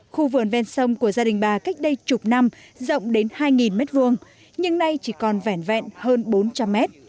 khu vườn ven sông của gia đình bà cách đây chục năm rộng đến hai m hai nhưng nay chỉ còn vẻn vẹn hơn bốn trăm linh mét